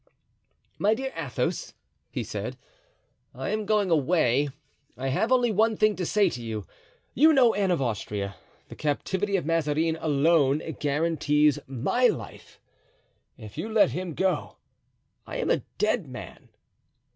"My dear Athos," he said, "I am going away. I have only one thing to say to you. You know Anne of Austria; the captivity of Mazarin alone guarantees my life; if you let him go I am a dead man."